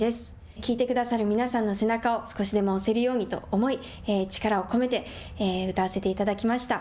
聞いてくださる皆さんの背中を少しでも押せるようにと思い力をこめて歌わせていただきました。